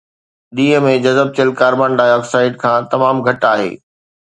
ڏينهن ۾ جذب ٿيل ڪاربان ڊاءِ آڪسائيڊ کان تمام گهٽ آهي